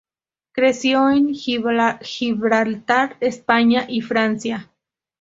Creció en Gibraltar, España y Francia.